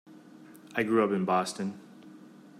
I grew up in Boston.